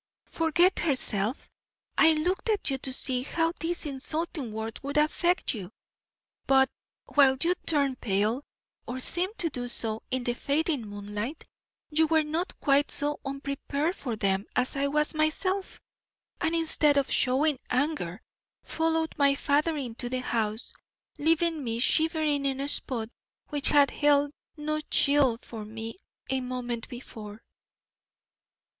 Forget herself! I looked at you to see how these insulting words would affect you. But while you turned pale, or seemed to do so in the fading moonlight, you were not quite so unprepared for them as I was myself, and instead of showing anger, followed my father into the house, leaving me shivering in a spot which had held no chill for me a moment before.